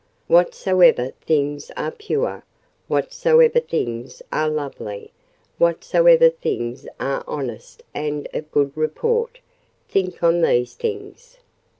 "Whatsoever things are pure, whatsoever things are lovely, whatsoever things are honest and of good report, think on these things."